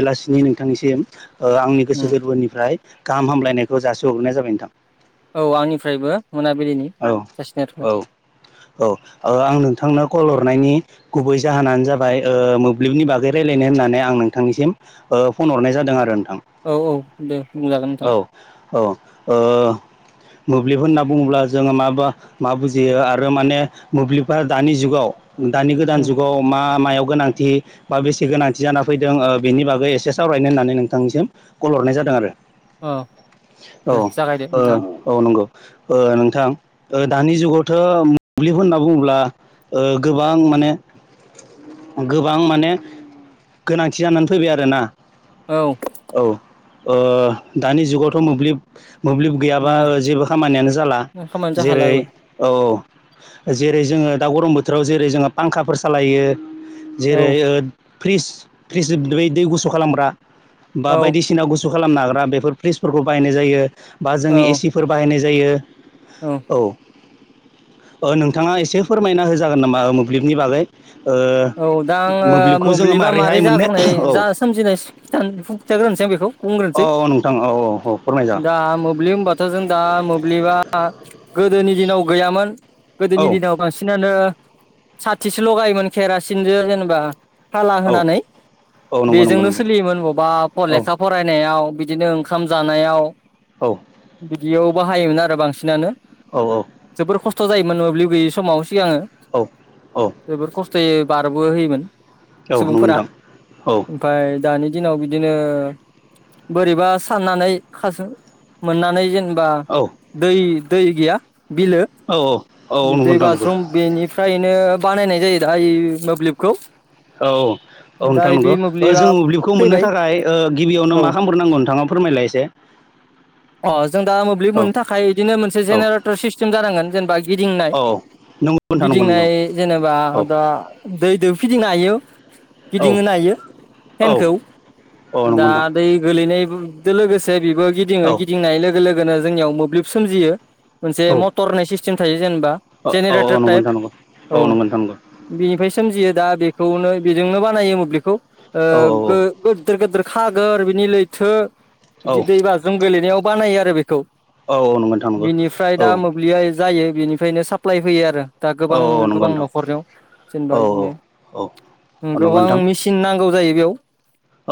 बेलासिनि नोंथांनिसिम आंनि उम गोसो गोरबोनिफ्राय गाहाम हामलायनायखौ जासि हरग्रोनाय जाबाय नोंथां औ आंनिफ्रायबो मोनाबिलिनि औ जासिनाय औ थाबाय औ औआं नों नोंथांनो कल हरनायनि गुबै जाहोनानो जाबाय ओ मोब्लिबनि बागै रायलायनो होननानै आं नोंथांनिसिम ओ फन हरनाय जादों आरो थां औ औ दे बुंजागोन नोंथां औ औ ओ मोब्लिब होनना बुङोब्ला जोङो माबा मा बुजियो आरो माने मोब्लिबा दानि जुगाव दानि गोदान उम जुगाव मा मायाव गोनांथि बा बेसे गोनांथि जाना फैदों बेनि बागै एसे सावरायनो होननानै नोंथांनिसिम कल हरनाय जादों आरो अ औ दे ओ जागायदो नोंथां औ नंगौ ओ नोंथां दानि जुगावथ' मोब्लिब होनना बुङोब्ला गोबां माने गोबां माने गोनांथि जानानै फैबाय आरोना औ औ ओ दानि जुगावथ' मोब्लिब मोब्लिब गैयाबा जेबो खामानियानो जाला [unintelligible] हाला जेरै औ औ जेरै जोङो दा गरम बोथोराव जेरै जोङो फांखाफोर सालायो औ जेरै ओ फ्रिज फ्रिज दै गुसु खालामग्रा बा औ बायदिसिना गुसु खालामनो हाग्रा बेफोर फ्रिजफोरखौ बाहायनाय जायो बा जोंनि औ एसिफोर बाहायनाय जायो औ नोंथाङा एसे फोरमायना होजागोन नामा मोब्लिबनि बागै ओ औ दा मोब्लिबखौ जोङो मोब्लिबा मारैहाय मारै मोननो जाग्रोनाय जा औ सोमजिनाय [unintelligible] खिथाग्रोनोसै बेखौ औ बुंग्रोनोसै औ नोंथां औ औ औ फोरमाय दा मोब्लिब होनबाथ' जों दा मोब्लिबा गोदोनि दिनाव गैयामोन औ गोदोनि दिनाव बांसिनानो साथिसो लगायोमोन केरासिनजों जेनेबा हाला औ होनानै औ नंगौ नंगौ बेजोंनो नंगौ सोलियोमोन बबेबा औ लेखा फरायनायाव बि बिदिनो ओंखाम जानायाव औ बिदियाव बाहायोमोन आरो बांसिनानो औ औ जोबोर खस्थ' जायोमोन मोब्लिब गैयि समाव सिगां औ औ जोबोर खस्थ'यै बारबो होयोमोन औ नंगौ सुबुंफोरा नोंथां औ ओमफ्राय दानि दिनाव बिदिनो बोरैबा साननानै खास मोननानै जेनेबा औ बा दै दै गैया बिलो औ औ नंगौ दै नोंथां नंगौ बाज्रुम बेनिफ्रायनो बानायनाय जायो दाय मोब्लिबखौ औ औ दा नोंथां बे नंगौ मोब्लिबा जों मोब्लिबखौ मोननो फैबाय थाखाय गिबियावनो मा औ खालामग्रोनांगौ नोंथाङा फोरमायलाय एसे अ जों दा मोब्लिब मोननो औ थाखाय बिदिनो मोनसे औ जेनेरेटर सिस्टेम जानांगोन जेनेबा गिदिंनाय औ नंगौ नोंथां नंगौ नंगौ गिदिंनाय जेनेबा औ दा दैजों फिदिंनो हायो औ गिदिंहोनो हायो औ फेनखौ औ नंगौ दा नोंथां दै गोलैनाय लोगोसे बेबो गिदिङो औ गिदिंनाय लोगो लोगोनो जोंनियाव मोब्लिब सोमजियो मोनसे औ मटर होननाय सिस्टेम थायो जेनेबा औ औ जेनेरेटर नंगौ टाइफ नोंथां नंगौ औ नंगौ नोंथां नंगौ बिनिफ्राय सोमजियो दा बेखौनो बेजोंनो बानायो मोब्लिबखौ औ गिदिर गिदिर खागोर बिनि लैथो औ बिदि दै बाजों गोेलैनायाव बानायो आरो बेखौ औ बिनिफ्राय औ दा मोब्लिबया जायो बिनिफ्रायनो साप्लाय फैयो आरो दा औ गोबां नंगौ गोबां नोंथां नंगौ न'खरयाव जेनेबा औ बिदिनो औ औ उम नंगौ गोबां नोंथां मेचिन नांगौ जायो बेयाव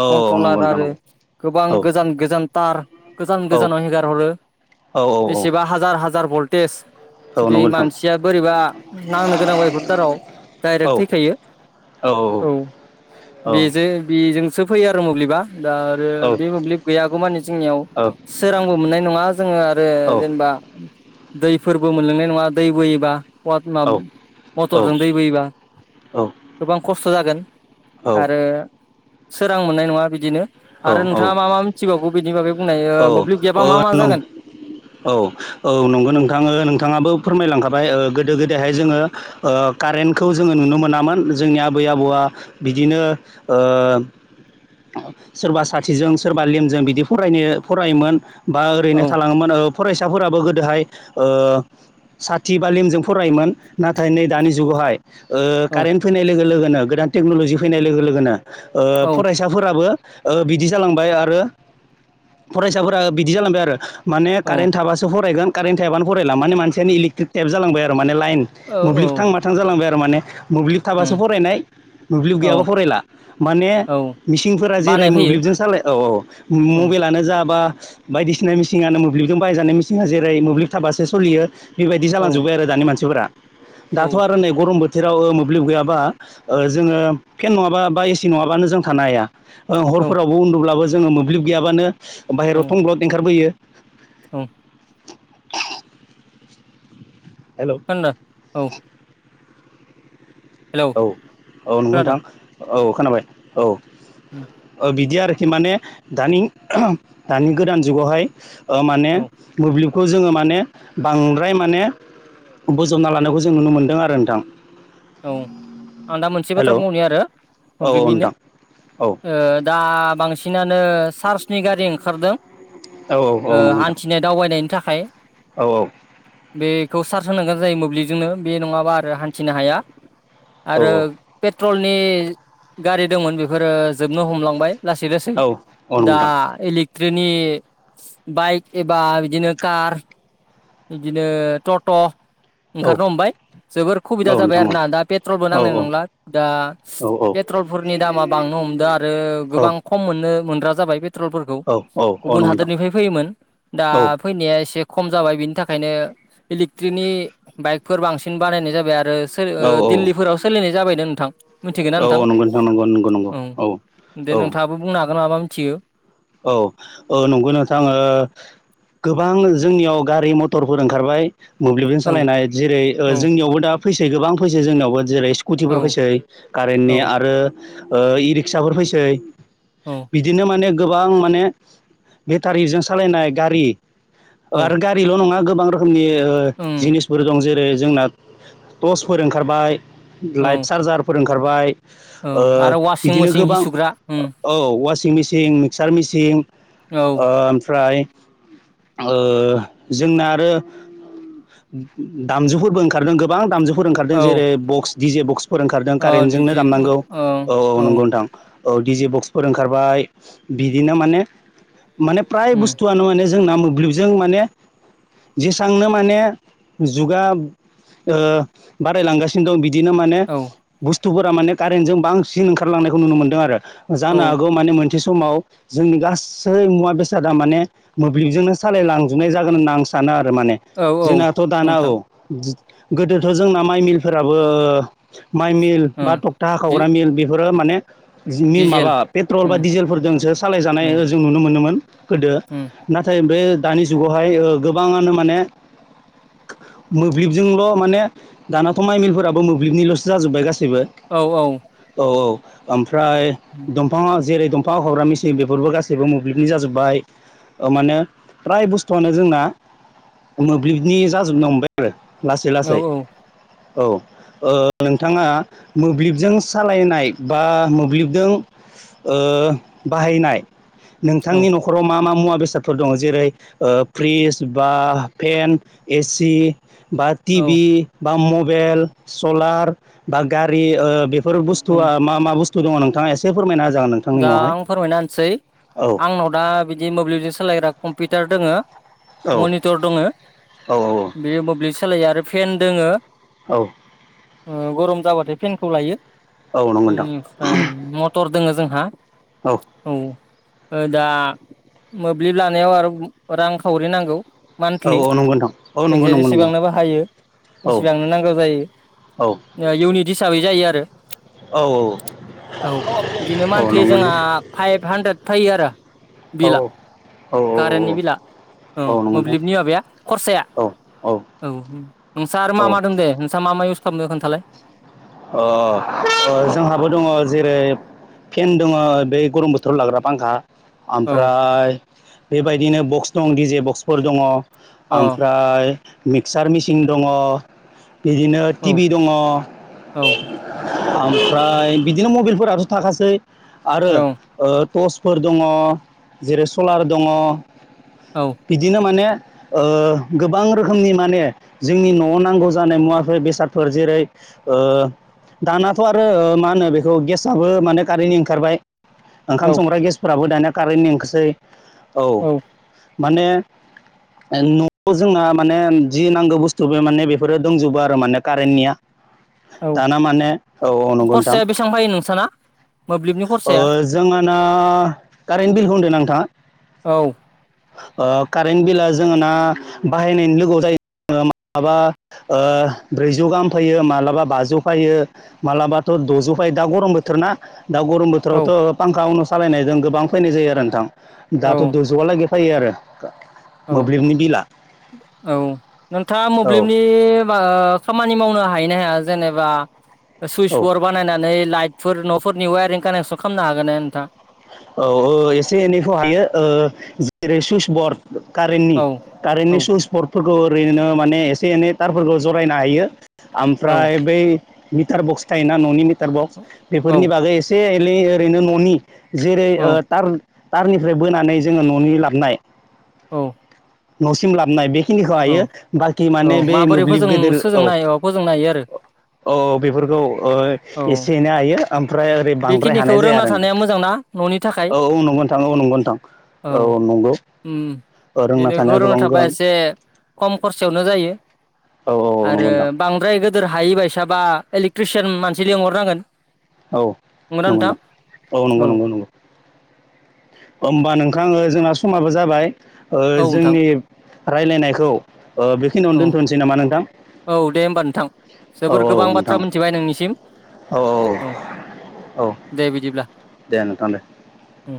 औ औ नंगौ नोंथां औ नंगौ कन्ट्रलार नोंथां आरो नंगौ गोबां औ गोजान गोजान टार गोजान औ गोजानाव हगार हरो औ बेसेबा हाजार हाजार भल्टेज औ जुदि नंगौ नोंथां मानसिया बोरैबा नांनो गोनां बा बेफोर टाराव औ डाइरेक्ट थैखायो औ बेजो औ बेजों सो फैयो आरो मोब्लिबा दा आरो औ बे मोब्लिब गैयागौ मानि जोंनियाव सोरांबो मोननाय नङा जोङो आरो जेनेबा दैफोरबो मोनलोंनाय नङा दै बोयोबा [unintelligible] मटरजों दै बोयोबा गोबां खस्थ' जागोन आरो सोरां मोननाय नङा बिदिनो आरो नोंथाङा मा मा मिथिबावगौ बिनि बागै बुंनाय ओ मोब्लिब गैयाबा मा मा औ जागोन औ औ नंगौ नोंथां ओ नोंथाङाबो फोरमायलांखाबाय ओ गोदो गोदायहाय जोङो ओ कारेन्टखौ जोङो नुनो मोनामोन जोंनि आबै आबौआ बिदिनो ओ औ सोरबा साथिजों सोरबा लेमजों बिदि फरायनो फरायोमोन बा औ ओरैनो थालाङोमोन ओ फरायसाफोराबो गोदोहाय ओ साथि बा लिमजों फरायोमोन नाथाय नै दानि जुगावहाय ओ औ कारेन्ट फैनाय लोगो लोगोनो गोदान टेक्न'लजि फैनाय लोगो लोगोनो ओ औ फरायसाफोराबो ओ बिदि जालांबाय आरो फरायसाफोरा बिदि जालांबाय आरो माने कारेन्ट थाबासो फरायगोन कारेन थायाबानो फरायला माने मानसियानो इलेक्ट्रिक टाइप जालांबाय आरो माने लाइन औ मोब्लिब थां औ माथां जालांबाय आरो माने मोब्लिब थाबासो उम फरायनाय मोब्लिब औ गैयाबा फरायला माने औ मिसिं फोरा जेरै बानाय फैयो मोब्लिबजों सालाय औ औ औ मबाइल आनो जा बा बायदिसिना म मिसिंनो मोब्लिबजों बायजानाय मिसिंआ जेरै मोब्लिब थाबासो सलियो बेबायदि औ जालांजोब्बाय आरो दानि मानसिफोरा औ दाथ' आरो नै गरम बोथ बोथोराव मोब्लिब गैयाबा ओ जोङो फेन नङाबा बा एसि नङाबानो जों थानो हाया ओ औ हरफोरावबो उन्दुब्लाबो जोङो मोब्लिब गैयाबानो बाहेरायाव थंब्लद ओंखारबोयो औ [inaudible] हेलौ खोनदो औ हेलौ औ औ नंगौ खोनादों नोंथां औ खोनाबाय औ उम ओ बिदि आरोखि माने दानि दानि गोदान जुगावहाय औ माने मोब्लिबखौ जोङो माने बांद्राय माने बोजबना लानायखौ जों नुनो मोन्दों आरो नोंथां औ आं दा मोनसे बाथ्रा हेलौ बुंबावनिय आरो औ औ मोब्लिबनिनो नोंथां औ ओ दा बांसिना नो चार्सनि गारि ओंखारदों औ औ ओ नंगौ नोंथां हान्थिनाय दावबायनायनि थाख औ औ खौ सार्स होनांगोन जायो मोब्लिबजोंनो बे नङाबा आरो हान्थिनो हाया औ आरो पेट्रलनि गारि दंमोन बेफोरो जोबनो हमलांबाय लासै लासै औ औ नंगौ दा नोंथां एलिक ट्रेनि बाइक एबा बिदिनो कार बिदिनो टट' औ ओंखारनो हमबाय जोबोर खुबिदा औ जाबाय आ नोंथां ना दा पेट्रलबो औ नांनाय नंला औ दा औ पेट्रल फोरनि दामा बांनो हमदों आरो गोबां बां खम मोननो [unintelligible] ग्रा जाबाय पेट्रलफोरखौ औ औ औ गुबुन नंगौ नोंथां हादोरनिफ्राय फैयोमोन दा औ फैनाया एसे खम जाबाय बिनि थाखायनो इलेकट्रिकनि बाइकफोर बांसिन बानायनाय जाबाय आरो। औ ओ दिल्लीफोराव सोलिनाय जाबाय नो नोंथां। मिथिगौना नोंथां औ नंगौ नंगौ नंगौ नंगौ औ दे औ नोंथाङाबो बुंनो हागोन माबा मिथियो। औ औ नंगौ नोंथां ओ गोबां जोंनियाव गारि मथरफोर ओंखारबाय मोब्लिबजों औ सालायनाय जेरै ओ औ जोंनियावबो दा फैसै गोबां फैसै जोंनियावबो जेरै औ स्कुटिफोर फैसै कारेन्टनि औ आरो ओ इ रिक्साफोर फैसै औ बिदिनो माने गोबां माने बेटारिजों सालायनाय गारि औ आरो गारिल' नङा गोबां रोखोमनि ओ उम जिनिसफोर दं जेरै जोंना टर्चफोर ओंखारबाय औ लाइट चार्जारफोर ओंखारबाय। औ ओ आरो वासिं बिदिनो मेसिन हि गोबां सुग्रा उम औ [unintelligible] सिं मिसिं मिक्सार मिसिं औ ओ ओमफ्राय ओ जोंना आरो दामजुफोरबो ओंखारदों गोबां दामजुफोर ओंखारदों औ जेरै बक्स डिजे बक्स फोर ओंखारदों अ कारेन्टजोंनो बिदि दामनांगौ औ औ नंगौ नोंथां। औ दिडिजे बक्सफोर ओंखारबाय बिदिनो माने माने फ्राय उम बुस्थुआनो माने जोंना मोब्लाबजों माने जेसांनो माने जुगा ओ बारायलांगासिनो दं बिदि दिनो माने औ बुस्थुफोरा माने कारेन्ट जों बांसिन ओंखारलांनायखौ नुनो मोनदों आरो। औ जानो हागौ माने मोनसे समाव जोंनि गासै मुवा बेसादा माने मोब्लिबजोंनो सालायलांजोबनाय जागोन होनना आं सानो आरो। माने औ औ जोंनाथ' दाना नोंथां औ गोदोथ' जोंना माइ मिलफोराबो माइ मिल बा ओं थखथा हाखावग्रा मिल बेफोर माने माबा डि-डिजेल पेट्रल उम बा डिजेलफोरजोंसो उम सालायजानाय जों नुनो मोनोमोन। गोदो उम नाथाय बे दानि जुगावहाय ओ गोबाङानो माने मोब्लिबजोंल' माने दानाथ' माइमिलफोराबो मोब्लिबनिल'सो जाजोब्बाय गासिबो। औ औ औऔ ओमफ्राय दंफांआ जेरै दंफां हाखावग्रा मि थिम बेफोरबो गासैबो मोब्लिबनि जाजोब्बाय माने फ्राय बुस्थुआनो जोंना मोब्लिबनि जाजोबनो हमबाय आरो लासै लासै औ औ ओ नोंथाङा मोब्लिबजों सालायनाय बा मोब्लिबजों ओ बाहायनाय औ नोंथांनि न'खराव मा मा मुवा बेसादफोर दङ जेरै ओ फ्रिज बा फेन एसि बा औ टिभि बा मबेइल सलार बा गारि ओ बे फोर उम बुस्थुआ मा मा बुस्थु दङ नोंथाङा एसे फोरमायना होजागोन नोंथांनि दा न'आवहाय। आं फोरमायना होनसै औ आंनाव दा बिदि मोब्लिबजों सालायग्रा कम्पिउटार दोङो। औ मनिटर दङो औ बे मोब्लिब सालायो आरो फेन दोङो। औ ओ गरम जाबाथाय फेनखौ लायो औ नंगौ नोंथां ओमफ्राय मटर दोङो जोंहा। औ औ दा मोब्लिब लानायाव आरो रां खावरि नांगौ। औ मान्थलि औ नंगौ नोंथां औ नंगौ जायखिजाया नंगौ नंगौ जेसेबांनो बाहायो। औ एसेबांनो नांगौ औ जायो इउननि हिसाबै जायो आरो औ औ बिदिनो मा नथलि नंगौ जोंहा नोंथां फाइभ हान्द्रेद फैयो आरो औ बिला औ कारेन्टनि बिला ओं औ नंगौ मोब्लिबनि नोंथां माबाया खरसाया। औ नोंस्रा आरो मा औ मा दं दे नोंस्रा मा मा इउस खालामदों खोन्थालाय। अ जोंहाबो दङ जेरै फेन दङ बेै गरम बोथोराव लाग्रा फांखा। औ ओमफ्राय बेबायदिनो बक्स दं डिजे बक्सफोर दङ। अ औ ओमफ्राय मिक्सार मिसिन दङ। बिदिनो औ टिभि दङ। औ ओमफ्राय बिदिनो मबाइलफोरथ' थाखासै आरो टर्स फोर दङ जेरै सलार दङ औ बिदिनो माने। ओ गोबां रोखोमनि माने जोंनि न'आव नांगौ जानाय मुवाफोर बेसादफोर जेरै ओ दानाथ' आरो मा होनो बेखौ गेसआबो माने कारेन्टनि ओंखारबाय ओंखाम औ संग्रा गेसफोराबो दानिया कारेन्ट ओंखारसै औ माने न'आव जोंना माने जि नांगौ बुस्थु बे माने बेफोरो दंजोबो आरो माने कारेन्टनिया औ दाना माने औ नंगौ नथां खरसाया बेसेबां फायो नोंसाना मोब्लिबनि ओ खरसाया जोंहा। ना कारेन्ट बिल होनदों नोंथाङा? औ ओ कारेन्ट बिला जोहा ना बाहायनायनि लोगोआव जायो। माब्लाबा ब्रैजौ गाहाम फैयो मालाबा बाजौ फैयो माबलाबाथ' द'जौ फैयो दा गरम बोथोर ना। दा गरम औ बोथोरावथ' फांखा अनु सालायनायजों गोबां फैनाय जायो आरो नोंथां औ दाथ' दुजुआलागै। फायो आरो औ मोब्लिबनि बिला औ नोंथाङा औ मोब्लिबनि खामानि मावनो हा हायोना हाया जेनेबा सुइ औ बर बानायनानै लाइ फोर न'फोरनि वायेरिं कानेक्सन खालामनो हागोना हाया नोंथांआ? औ एसे एनैखौ हायो ओ जेरै सुइस बरड कारेन्टनि औ कारेन्टनि औ सुइस बरर्डफोरखौ ओरैनो माने एसे एनै थारफोरखौ जरायनो हायो औ ओमफ्राय बै मिटार बक्स थायोना न'नि मिटार बक्स औ बेफोरनि बागै एसे एलै ओरैनो न'नि जेरै ओ औ थार थारनिफ्राय बोनानै जोङो न'नि लाबनाय औ न'सिम लाबोननाय बेखिनिखौ औ हायो बाखि औ माने बे माबोरै मोब्लिब फोजों गेदेर औ सोजोंनो हायो फोजोंनो हायो आरो औ बेफोरखौ औ एसे एनै हायो ओमफ्राय ओरै बांद्राय हानाय बेखिनिखौ जाया रोंना आरो थानाया मोजांना न'नि थाखाय नोंथां। औ औ नंगौथां औ नंगोनथां औ नंगौ। उम रोंना बेनिखौ थानाया गोबां थाबा गोनां। एसे खम खरसयावनो जायो। औ औ आरो नंगौ नोंथां बांद्राय गोदोर हायिबायायसाबा इलेक्ट्रिसियान मानसि लिंहरनांगोन। औ नंगौ नोंथां औ नंगौ नंगौ नंगौ। होमबा नोंथां जोंना। समाबो जाबाय औ नोंथां जोंनि रायज्लायनायखौ। बेखिनियावनो औ दोन्थ'नोसै नामा नोंथां? औ दे होमबा नोंथां औ जोबोर औ गोबां नोंथां बाथ्रा मिथिबाय नोंनिसिम। औ औ औ दे बिदिब्ला। दे नोंथां दे। उम